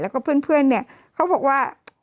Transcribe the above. แล้วก็เพื่อนเขาบอกว่า